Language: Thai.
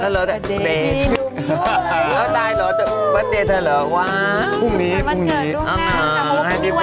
เต้นเอาได้เหรอเต้นเต้นเต้นเหรอวะพรุ่งนี้พรุ่งนี้สุขภัยวันเกิดด้วยค่ะ